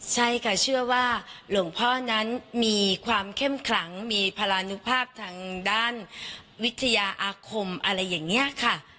ใช่ค่ะเชื่อว่าหลวงพ่อนั้นมีความเข้มขลังมีพรานุภาพทางด้านวิทยาอาคมอะไรอย่างนี้ค่ะ